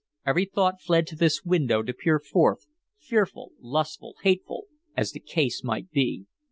Every thought fled to this window to peer forth, fearful, lustful, hateful, as the case might be.